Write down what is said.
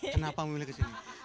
kenapa memilih kesini